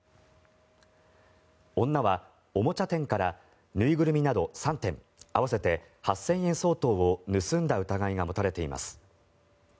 女はおもちゃ店から縫いぐるみなど３点合わせて８０００円相当を盗んだ疑いが持たれています。